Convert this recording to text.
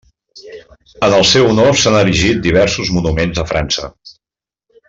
En el seu honor s'han erigit diversos monuments a França.